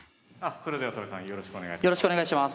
それでは戸辺さんよろしくお願いします。